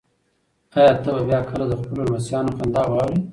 ایا ته به بیا کله د خپلو لمسیانو خندا واورې؟